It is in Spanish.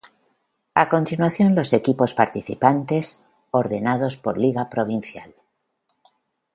A continuación los equipos participantes, ordenados por Liga Provincial.